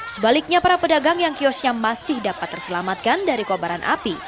sebaliknya para pedagang yang kiosnya masih dapat terselamatkan dari kobaran api